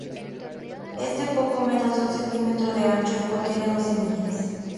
Es de poco menos de un centímetro de ancho y contiene dos semillas.